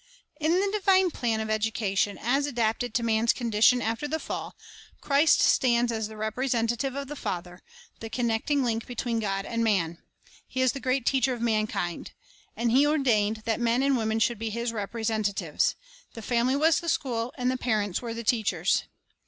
In the divine plan of education as adapted to man's condition after the fall, Christ stands as the representa tive of the Father, the connecting link between God and man; He is the great teacher of mankind. And He ordained that men and women should be His repre sentatives. The family was the school, and the parents were the teachers.